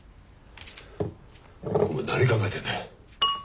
お前何考えてんだ。